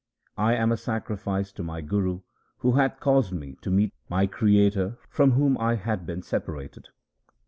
I am a sacrifice to my Guru who hath caused me to meet my Creator from whom I had been separated.